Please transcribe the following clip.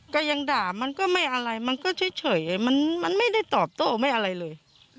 ก็ยังด่ามันก็ไม่อะไรมันก็เฉยมันไม่ได้ตอบโต้ไม่อะไรเลย